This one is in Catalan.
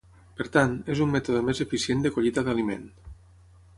Per tant, és un mètode més eficient de collita d'aliment.